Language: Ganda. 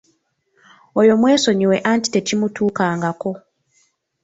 Oyo mwesonyiwe anti tekimutuukangako.